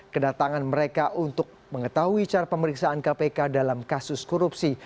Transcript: kedatangan mereka untuk mengetahui cara pemeriksaan kpk dalam kasus korupsi